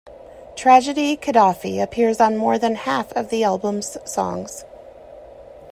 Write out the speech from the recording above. Tragedy Khadafi appears on more than half of the album's songs.